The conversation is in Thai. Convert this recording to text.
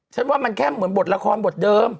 ฉันว่ามันแค่เหมือนบทละครบทเดิม